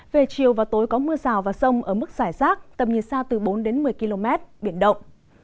về chiều và tối có mưa sào và rông ở mức giải rác tầm như xa từ bốn đến một mươi km biển động